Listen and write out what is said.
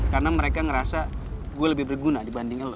karena mereka ngerasa gue lebih berguna dibanding lo